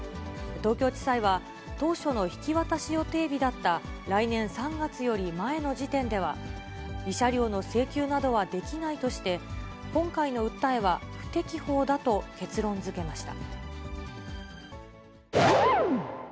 東京地裁は、当初の引き渡し予定日だった来年３月より前の時点では、慰謝料の請求などはできないとして、今回の訴えは不適法だと結論づけました。